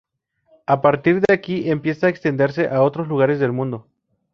A partir de aquí empiezan a extenderse a otros lugares del mundo.